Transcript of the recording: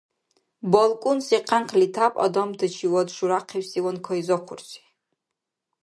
БалкӀунси къянкъли тяп адамтачивад шуряхъибсиван кайзахъурси.